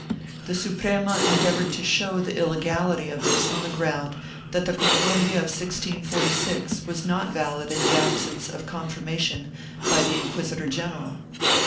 The Suprema endeavored to show the illegality of this on the ground that the Concordia of 1646 was not valid in the absence of confirmation by the inquisitor general.